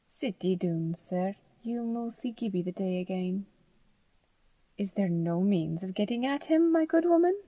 Sit ye doon, sir; ye'll no see Gibbie the day again." "Is there no means of getting at him, my good woman?"